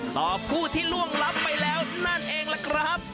ผู้ที่ล่วงลับไปแล้วนั่นเองล่ะครับ